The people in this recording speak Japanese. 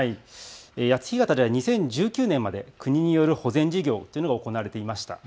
谷津干潟では２０１９年まで国による保全事業というのが行われていました。